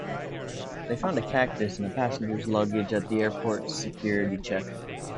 They found a cactus in a passenger's luggage at the airport's security check.